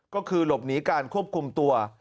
ก็คือหลบหนีการควบคุมตัว